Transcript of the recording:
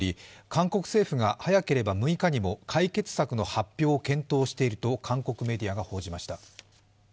韓国政府が早ければ６日も解決策の発表を検討していると韓国メディアが報じました。